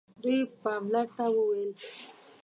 دوی پالمر ته وویل.